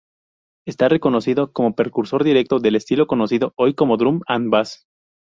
Está reconocido como precursor directo del estilo conocido hoy como drum and bass.